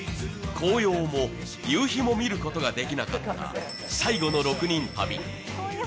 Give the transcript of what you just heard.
紅葉も夕日も見ることができなった最後の６人旅。